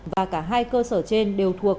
và cả hai cơ sở trên đều thuộc